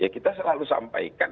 kita selalu sampaikan